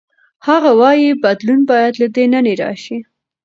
هغه وايي بدلون باید له دننه راشي.